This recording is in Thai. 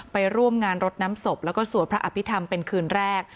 ไปร่วมงานรดน้ำศพแล้วก็สวดพระอภิษฐรรมเป็นคืนแรก